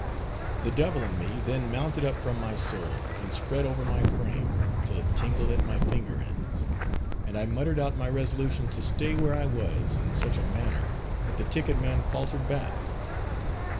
The devil in me then mounted up from my soul, and spread over my frame, till it tingled at my finger ends; and I muttered out my resolution to stay where I was, in such a manner, that the ticket man faltered back.